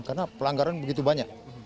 karena pelanggaran begitu banyak